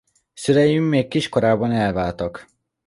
Szülei még kiskorában elváltak.